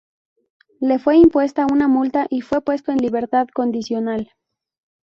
Le fue impuesta una multa y fue puesto en libertad condicional.